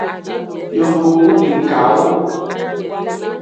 Yovogbu dekawo.